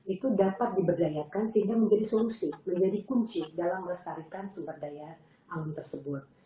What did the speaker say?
itu dapat diberdayakan sehingga menjadi solusi menjadi kunci dalam melestarikan sumber daya alam tersebut